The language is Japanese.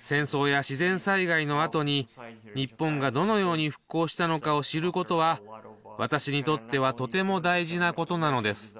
戦争や自然災害のあとに、日本がどのように復興したのかを知ることは、私にとってはとても大事なことなのです。